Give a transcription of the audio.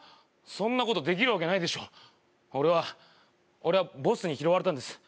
そんなことできるわけないでしょ俺は俺はボスに拾われたんです